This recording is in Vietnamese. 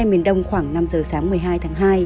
miền đông khoảng năm giờ sáng một mươi hai tháng hai